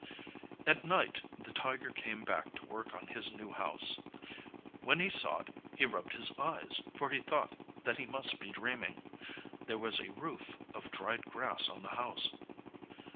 At night the tiger came back to work on his new house. When he saw it he rubbed his eyes for he thought that he must be dreaming. There was a roof of dried grass on the house.